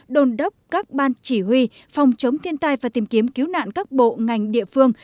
đồn đốc các ban chỉ huy phòng chống thiên tai và tìm kiếm cứu nạn các bộ ngành địa phương